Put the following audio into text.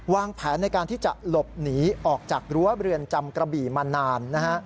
วางแผนในการที่จะหลบหนีออกจากรั้วเรือนจำกระบี่มานานนะฮะ